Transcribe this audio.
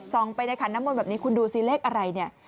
ไปในขันน้ำมนต์แบบนี้คุณดูสิเลขอะไรเนี่ย